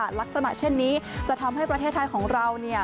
ลักษณะเช่นนี้จะทำให้ประเทศไทยของเรา